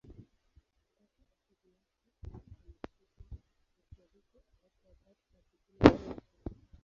Kutoka asili yake ya Meksiko, Puerto Rico, Amerika ya Kati na kusini mwa Asia.